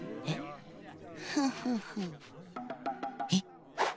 えっ。